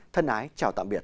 thân ái chào tạm biệt